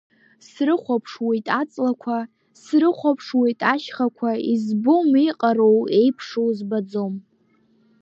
Срыхәаԥшуеит аҵлақәа, срыхәаԥшуеит ашьхақәа, избом еиҟароу, еиԥшу збаӡом.